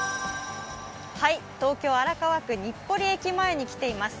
東京・荒川区日暮里駅前に来ています。